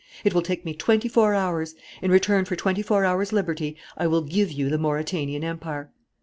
It will take me twenty four hours. In return for twenty four hours' liberty I will give you the Mauretanian Empire.